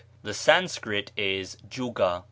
The Sanscrit is juga.